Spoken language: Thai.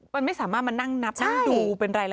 มันไม่สามารถมานั่งนับนั่งดู